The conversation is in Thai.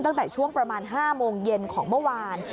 ตั้งแต่ช่วงประมาณ๕โมงเย็นของเมื่อวาน